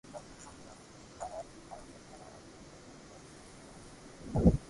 اوڻي او ايڪ او ايڪ چاور ري دوڻا ني ليدو